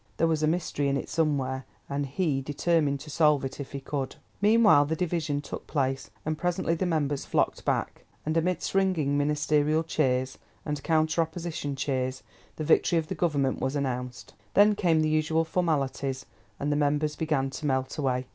There was a mystery in it somewhere, and he determined to solve it if he could. Meanwhile the division took place, and presently the members flocked back, and amidst ringing Ministerial cheers, and counter Opposition cheers, the victory of the Government was announced. Then came the usual formalities, and the members began to melt away.